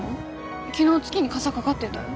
昨日月にかさかかってたよ？